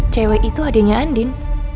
cewek itu adiknya andin